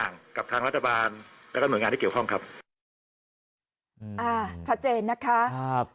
อ่าชัดเจนนะคะหึ่งหึครับ